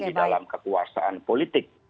di dalam kekuasaan politik